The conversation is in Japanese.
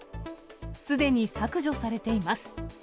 すでに削除されています。